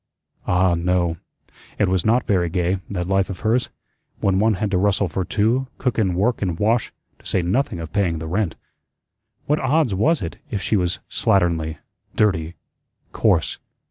Ah, no, it was not very gay, that life of hers, when one had to rustle for two, cook and work and wash, to say nothing of paying the rent. What odds was it if she was slatternly, dirty, coarse?